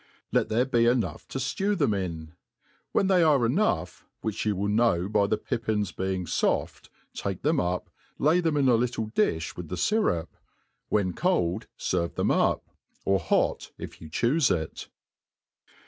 Let there be enough to flew them in ; when i\\^y are enough, which you will know by the pippins beipg fofr. take them up, lay them in a little difh with the fyrup f vyhea ^old^ ferve them up \ or hot, if you chijife it.